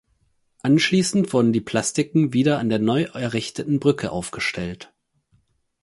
Anschließend wurden die Plastiken wieder an der neu errichteten Brücke aufgestellt.